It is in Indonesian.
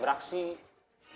beraksi apa ya